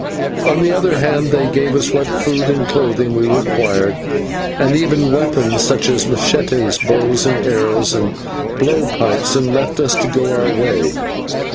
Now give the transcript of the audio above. On the other hand, they gave us what food and clothing we required, and even weapons, such as /machetes/, bows and arrows, and blow pipes, and left us to go our way.